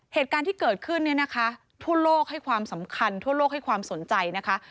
เหตุการณ์ที่เกิดขึ้นเนี่ยนะคะทั่วโลกให้ความสำคัญทั่วโลกให้ความสนใจนะคะ